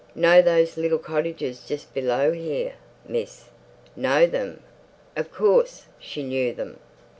"Know those little cottages just below here, miss?" Know them? Of course, she knew them.